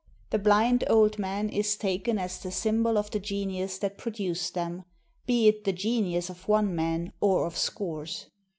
The blind old man is taken as the symbol of the genius that pro duced them, be it the genius of one man or of scores.